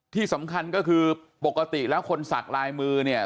ที่สำคัญก็คือปกติแล้วคนสักลายมือเนี่ย